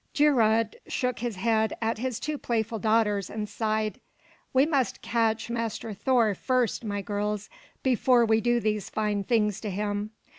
Geirröd shook his head at his two playful daughters and sighed. "We must catch Master Thor first, my girls, before we do these fine things to him.